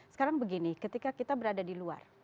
sekarang begini ketika kita berada di luar